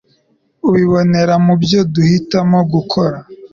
ubibonera mu byo duhitamo gukora